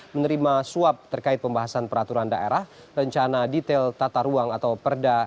menerima suap terkait pembahasan peraturan daerah rencana detail tata ruang atau perda